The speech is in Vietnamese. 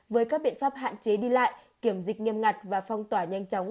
với các biện pháp hạn chế đi lại kiểm dịch nghiêm ngặt và phong tỏa nhanh chóng